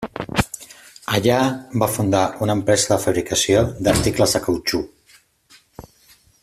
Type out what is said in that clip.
Allà va fundar una empresa de fabricació d'articles de cautxú.